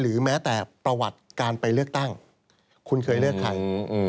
แม้แต่ประวัติการไปเลือกตั้งคุณเคยเลือกใคร